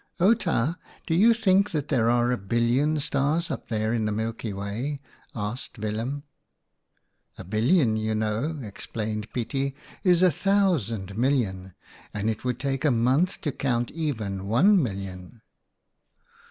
" Outa, do you think there are a billion stars up there in the Milky Way ?" asked Willem. 4< A billion, you know," explained Pietie, 64 OUTA KAREL'S STORIES "is a thousand million, and it would take months to count even one million."